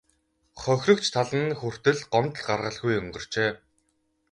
Хохирогч тал нь хүртэл гомдол гаргалгүй өнгөрчээ.